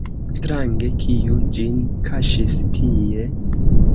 Strange, kiu ĝin kaŝis tie?